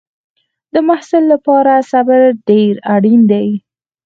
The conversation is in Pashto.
د محصل لپاره صبر ډېر اړین دی.